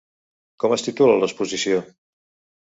Com es titula l'exposició?